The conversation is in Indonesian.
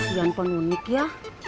dan po nunik ya